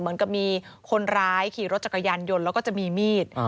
เหมือนกับมีคนร้ายขี่รถจักรยานยนต์แล้วก็จะมีมีด